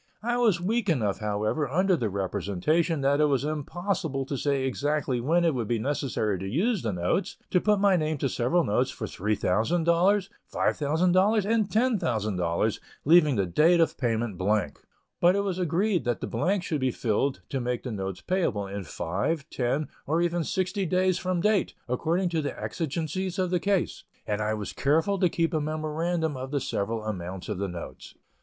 I was weak enough, however, under the representation that it was impossible to say exactly when it would be necessary to use the notes, to put my name to several notes for $3,000, $5,000, and $10,000, leaving the date of payment blank; but it was agreed that the blanks should be filled to make the notes payable in five, ten, or even sixty days from date, according to the exigencies of the case, and I was careful to keep a memorandum of the several amounts of the notes.